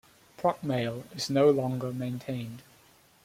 Procmail is no longer maintained.